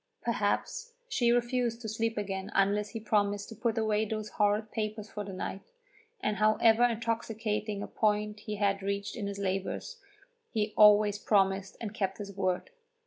Perhaps she refused to sleep again unless he promised to put away those horrid papers for the night, and however intoxicating a point he had reached in his labours, he always promised, and kept his word.